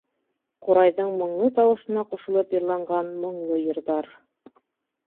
Ҡурайҙың моңло тауышына ҡушылып йырланған моңло йырҙар...